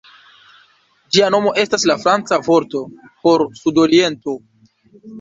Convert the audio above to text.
Ĝia nomo estas la franca vorto por "sud-oriento".